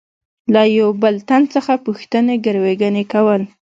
له یوه بل تن څخه پوښتنې ګروېږنې کول.